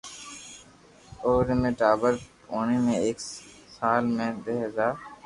اووي ۾ ٽاٻر ٻودي ۾ ايڪ سال ۾ دھي ھزار